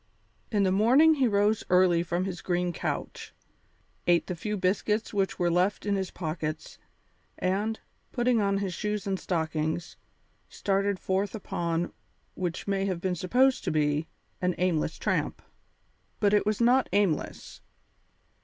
In the morning he rose early from his green couch, ate the few biscuits which were left in his pockets, and, putting on his shoes and stockings, started forth upon, what might have been supposed to be, an aimless tramp. But it was not aimless.